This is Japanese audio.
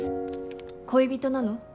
恋人なの？